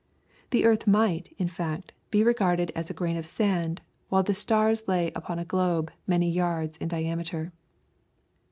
The earth might, in fact, be regarded as a grain of sand while the stars lay upon a globe many yards in diameter.